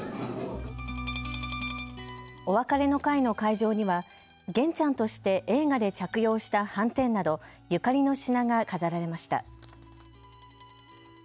お別れの会の会場には源ちゃんとして映画で着用したはんてんなどゆかりの品が飾られました。